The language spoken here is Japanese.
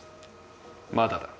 まだだ